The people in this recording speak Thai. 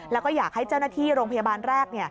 แล้วก็อยากให้เจ้าหน้าที่โรงพยาบาลแรก